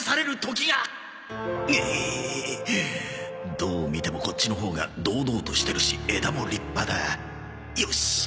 どう見てもこっちのほうが堂々としてるし枝も立派だよし！